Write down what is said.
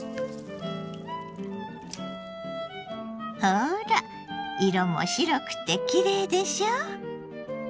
ほら色も白くてきれいでしょ！